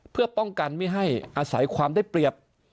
เพื่อป้องกันไม่ให้อาศัยความได้เปรียบ